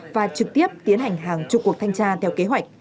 và trực tiếp tiến hành hàng chục cuộc thanh tra theo kế hoạch